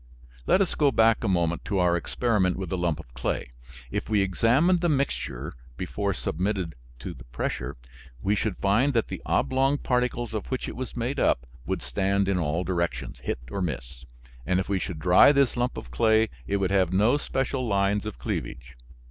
Let us go back a moment to our experiment with the lump of clay. If we examined the mixture before submitted to pressure we should find that the oblong particles of which it was made up would stand in all directions, hit or miss, and if we should dry this lump of clay it would have no special lines of cleavage.